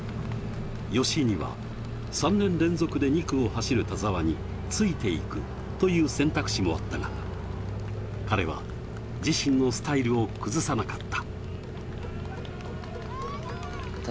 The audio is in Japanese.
吉居には３年連続で２区を走る田澤についていくという選択肢もあったが、彼は自身のスタイルを崩さなかった。